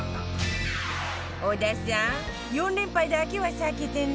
織田さん４連敗だけは避けてね